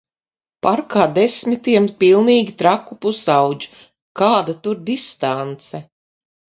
Parkā desmitiem pilnīgi traku pusaudžu, kāda tur distance.